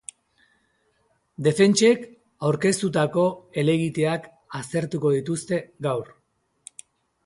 Defentsek aurkeztutako helegiteak aztertuko dituzte gaur.